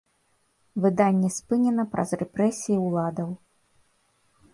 Выданне спынена праз рэпрэсіі ўладаў.